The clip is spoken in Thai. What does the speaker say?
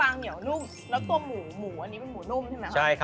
แล้วตัวหมูหมูอันนี้มันหมูนุ่มใช่ไหมครับ